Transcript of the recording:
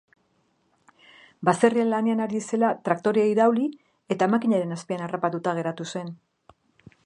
Baserrian lanean ari zela, traktorea irauli eta makinaren azpian harrapatuta geratu zen.